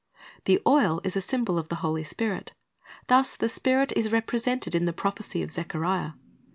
"' The oil is a symbol of the Holy Spirit. Thus the Spirit is represented in the prophecy of Zechariah.